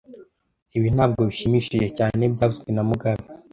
Ibi ntabwo bishimishije cyane byavuzwe na mugabe